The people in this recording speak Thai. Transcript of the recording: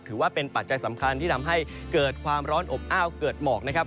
ปัจจัยสำคัญที่ทำให้เกิดความร้อนอบอ้าวเกิดหมอกนะครับ